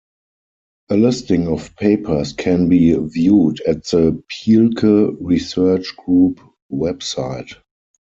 A listing of papers can be viewed at the Pielke Research Group website.